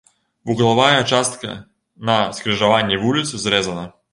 Вуглавая частка на скрыжаванні вуліц зрэзана.